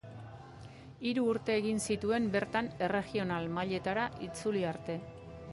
Hiru urte egin zituen bertan Erregional mailetara itzuli arte.